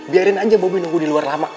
biarin aja bobb nunggu di luar lama